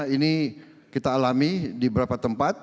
ini kita alami di beberapa tempat